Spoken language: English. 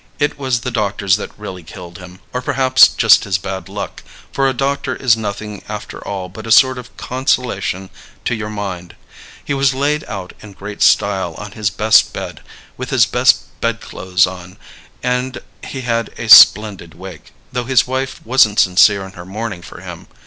It was the doctors that really killed him, or perhaps just his bad luck; for a doctor is nothing after all but a sort of consolation to your mind. He was laid out in great style on his best bed, with his best bedclothes on, and he had a splendid wake, though his wife wasn't sincere in her mourning for him.